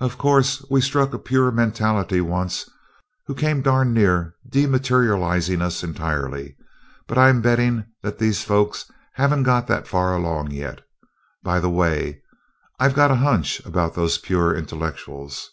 Of course, we struck a pure mentality once, who came darn near dematerializing us entirely, but I'm betting that these folks haven't got that far along yet. By the way, I've got a hunch about those pure intellectuals."